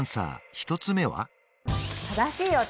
１つ目は？